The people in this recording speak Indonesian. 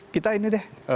kita ini deh